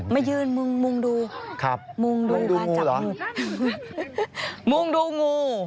มายืนมุ่งดูมุ่งดูหรือว่าจับงูค่ะมุ่งดูงู